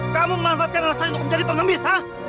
kamu mengamalkan anak saya untuk menjadi penggemis ha